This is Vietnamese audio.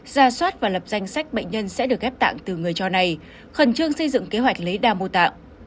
ra soát và lập danh sách bệnh nhân sẽ được ghép tạng từ người cho này khẩn trương xây dựng kế hoạch lấy đa mô tạng